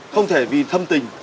không thể vì thâm tình